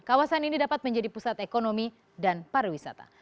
kawasan ini dapat menjadi pusat ekonomi dan pariwisata